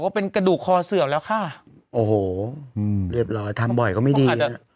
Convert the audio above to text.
ว่าเป็นกระดูกคอเสื่อมแล้วค่ะโอ้โหเดี๋ยวเราจะบ่อยก็ไม่ดี